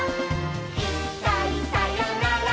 「いっかいさよなら